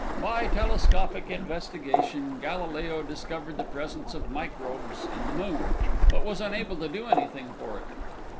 By telescopic investigation Galileo discovered the presence of microbes in the moon, but was unable to do anything for it.